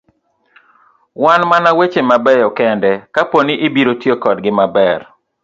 Wan mana weche mabeyo kende kaponi ibiro tiyo kodgi maber.